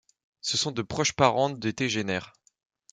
Ce sont de proches parentes des tégénaires.